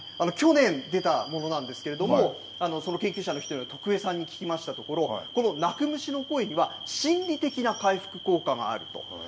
去年出たものなんですけれども、その研究者の一人の徳江さんに聞きましたところ、この鳴く虫の声には心理的な回復効果があると。